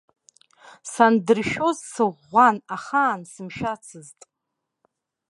Сандыршәоз сыӷәӷәан, ахаан сымшәацызт.